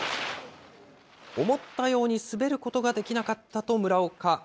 思ったように滑ることができなかったと村岡。